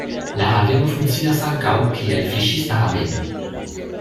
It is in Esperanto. La haveno funkcias ankaŭ, kiel fiŝista haveno.